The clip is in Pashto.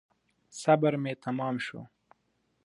صبر مي تمام شو .